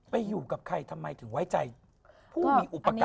อยู่กับใครทำไมถึงไว้ใจผู้มีอุปการณ